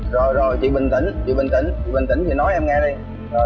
rồi rồi chị bình tĩnh chị bình tĩnh chị bình tĩnh chị nói em nghe đi